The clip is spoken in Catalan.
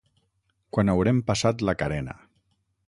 Quan haurem passat la carena.